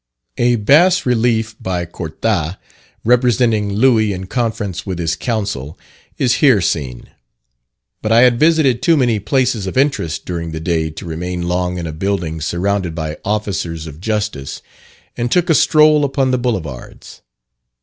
A bas relief, by Cortat, representing Louis in conference with his Counsel, is here seen. But I had visited too many places of interest during the day to remain long in a building surrounded by officers of justice, and took a stroll upon the Boulevards.